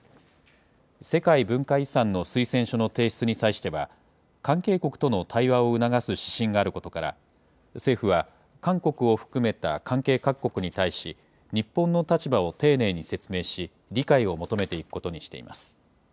世界文化遺産の推薦書の提出に際しては、関係国との対話を促す指針があることから、政府は、韓国を含めた関係各国に対し、日本の立場を丁寧に説明し、理解を求めていくことにしています。